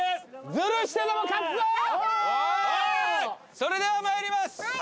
それでは参ります。